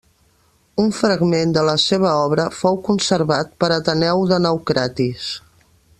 Un fragment de la seva obra fou conservat per Ateneu de Naucratis.